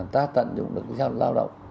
ta tận dụng được giao động